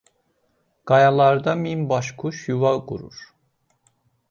Qayalarda min baş quş yuva qurur.